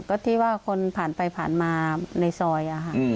ก็ที่ว่าคนผ่านไปผ่านมาในซอย